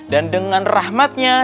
dan dengan rahmatnya